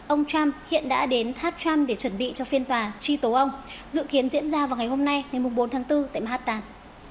ông trump hiện đã đến tháp trump để chuẩn bị cho phiên tòa truy tố ông dự kiến diễn ra vào ngày hôm nay ngày bốn tháng bốn tại hattan